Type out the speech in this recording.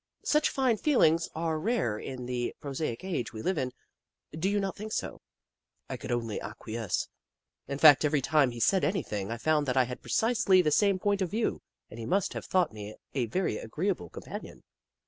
Such fine feelings are rare in the prosaic age we live in, do you not think so ?" I could only acquiesce. In fact, every time he said anything, I found that I had precisely the same point of view, and he must have thought me a very agreeable companion.